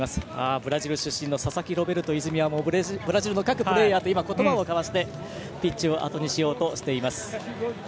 ブラジル出身の佐々木ロベルト泉はブラジルの各プレーヤーと言葉を交わしてピッチをあとにしようとしています。